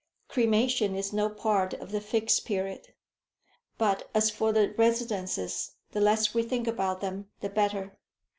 "Cremation is no part of the Fixed Period. But as for the residences, the less we think about them the better."